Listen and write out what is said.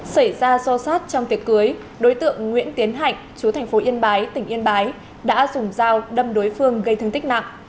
xảy ra xô xát trong tiệc cưới đối tượng nguyễn tiến hạnh chú thành phố yên bái tỉnh yên bái đã dùng dao đâm đối phương gây thương tích nặng